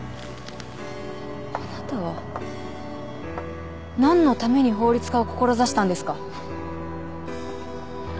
あなたは何のために法律家を志したんですか。